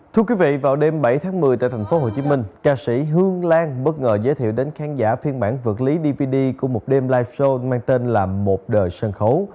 thưa quý vị vào đêm bảy tháng một mươi tại thành phố hồ chí minh ca sĩ hương lan bất ngờ giới thiệu đến khán giả phiên bản vượt lý dvd của một đêm live show mang tên là một đời sân khấu